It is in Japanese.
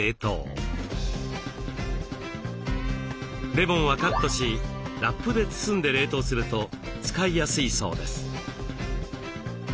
レモンはカットしラップで包んで冷凍すると使いやすいそうです。